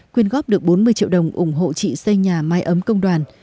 quyên góp được bốn mươi triệu đồng ủng hộ chị xây nhà mái ấm công đoàn